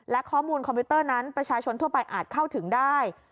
และข้อมูลคอมพิวเตอร์นั้นประชาชนทั่วไปอาจเข้าถึงได้